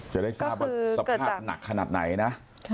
จะได้ทราบว่าสภาพหนักขนาดไหนนะ